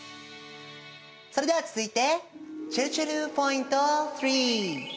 それでは続いてちぇるちぇるポイント３！